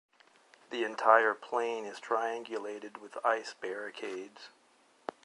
The entire plain is triangulated with ice-barricades.